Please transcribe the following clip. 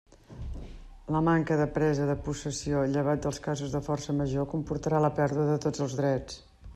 La manca de presa de possessió, llevat dels casos de forca major comportarà la pèrdua de tots els drets.